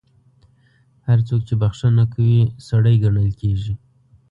هر څوک چې بخښنه کوي، سړی ګڼل کیږي.